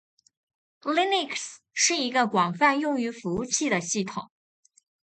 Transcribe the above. Linux 是一个广泛用于服务器的系统